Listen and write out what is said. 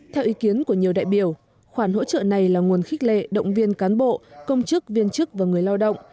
theo ý kiến của nhiều đại biểu khoản hỗ trợ này là nguồn khích lệ động viên cán bộ công chức viên chức và người lao động